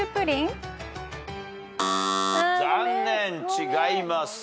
残念違います。